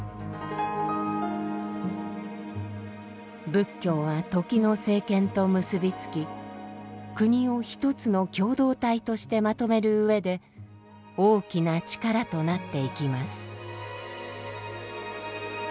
仏教は時の政権と結び付き国を一つの共同体としてまとめるうえで大きな力となっていきます。